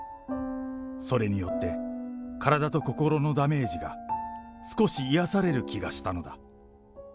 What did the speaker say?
それによって、体と心のダメージが少し癒やされる気がしたのだ。